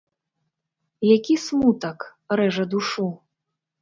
Які смутак рэжа душу!